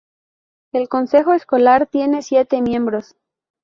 El consejo escolar tiene siete miembros.